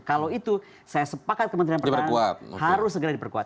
kalau itu saya sepakat kementerian pertahanan harus segera diperkuat